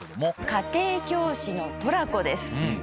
『家庭教師のトラコ』です。